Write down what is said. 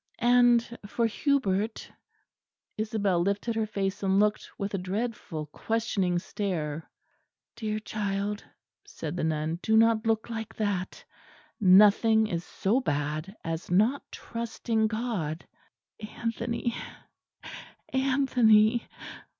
And for Hubert " Isabel lifted her face and looked with a dreadful questioning stare. "Dear child," said the nun, "do not look like that. Nothing is so bad as not trusting God." "Anthony, Anthony!"...